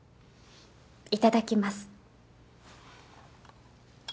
いただきます。